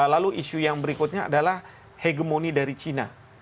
lalu isu yang berikutnya adalah hegemoni dari cina